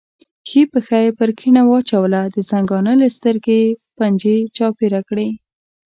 ښي پښه یې پر کیڼه واچوله، د زنګانه له سترګې یې پنجې چاپېره کړې.